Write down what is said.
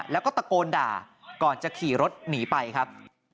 แล้วก็ตะโกนด่าก่อนจะขี่รถหนีไปครับ